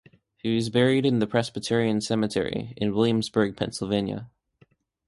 He was buried in the Presbyterian Cemetery in Williamsburg, Pennsylvania.